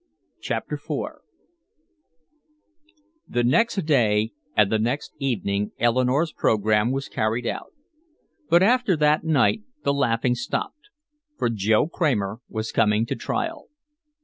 CHAPTER IV The next day and the next evening Eleanore's program was carried out. But after that night the laughing stopped. For Joe Kramer was coming to trial.